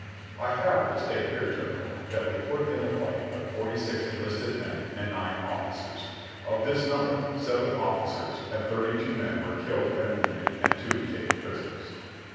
"I have to state here, General, that we put in the fight but forty six enlisted men and nine of^cers ; of this number seven officers and thirty two men were killed and wounded and two taken prisoners.